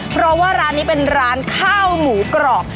เพราะว่าร้านนี้เป็นร้านข้าวหมูกรอบ